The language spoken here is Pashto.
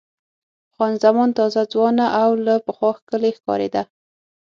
خان زمان تازه، ځوانه او له پخوا ښکلې ښکارېده.